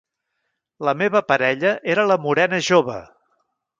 La meva parella era la morena jove.